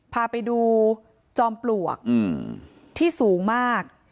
พาไปดูจอมปลวกที่สูงมาก